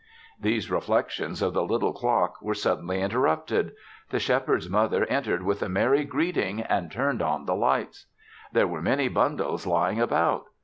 These reflections of the little clock were suddenly interrupted. The Shepherd's mother entered with a merry greeting and turned on the lights. There were many bundles lying about.